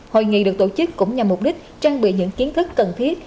hội nghị được tổ chức cũng nhằm mục đích trang bị những kiến thức cần thiết